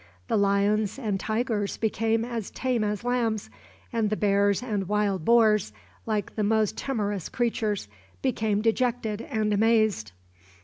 The lions and tigers became as tame as lambs, and the bears and wild boars, like the most timorous creatures, became dejected and amazed."